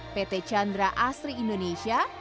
pt candra astri indonesia